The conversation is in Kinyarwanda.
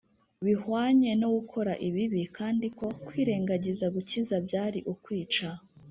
bihwanye no gukora ibibi; kandi ko kwirengagiza gukiza byari ukwica